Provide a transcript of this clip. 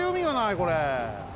これ。